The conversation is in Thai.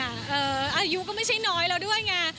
อายุก็ไม่ใช่น้อยแล้วด้วยไง